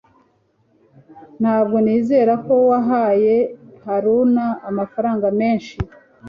Ntabwo nizera ko wahaye Haruna amafaranga menshi